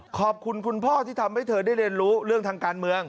ขอบคุณคุณพ่อที่ทำให้เธอได้เรียนรู้เรื่องทางการเมือง